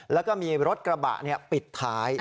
แล้วก็มีรถกระบะปิดท้าย